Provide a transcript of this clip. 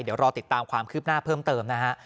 เดี๋ยวรอติดตามความคืบหน้าเพิ่มเติมนะฮะ